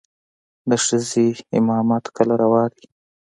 د ښځې امامت کله روا دى.